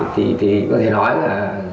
thì có thể nói là